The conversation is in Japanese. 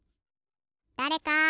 だれか！